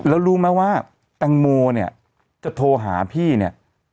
แล้วรู้ไหมว่าแตงโมเนี่ยจะโทรหาพี่เนี่ย